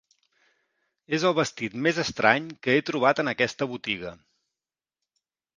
És el vestit més estrany que he trobat en aquesta botiga.